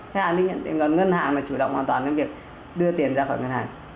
khách hàng đi nhận tiền ngân hàng là chủ động hoàn toàn cái việc đưa tiền ra khỏi ngân hàng